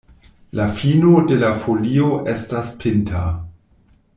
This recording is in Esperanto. La fino de la folio estas pinta.